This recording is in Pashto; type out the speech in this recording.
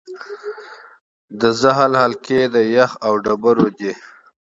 د زحل حلقې د یخ او ډبرو دي.